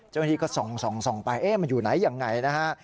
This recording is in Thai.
เจ้าหน้าที่ก็ส่องไปมันอยู่ไหนยังไงนะฮะ